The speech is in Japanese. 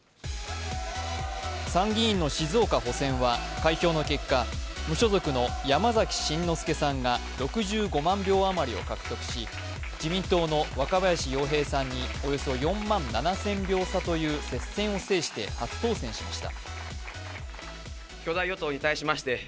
参議院の静岡補選は、開票の結果、山崎真之輔さんが６５万票余りを獲得し自民党の若林洋平さんにおよそ４万７０００票差という接戦を制して初当選しました。